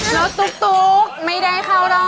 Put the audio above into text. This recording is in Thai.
ตุ๊กไม่ได้เข้ารอบ